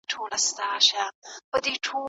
تاسو په سیاست کې د قدرت بڼې وپېژنئ.